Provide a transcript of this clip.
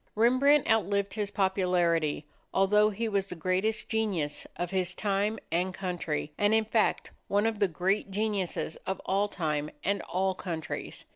Rembrandt outlived his popularity, although he was the greatest genius of his time and country, and in fact one of the great geniuses of all time and all countries.